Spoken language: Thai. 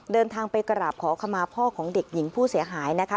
เดินทางไปกราบขอขมาพ่อของเด็กหญิงผู้เสียหายนะคะ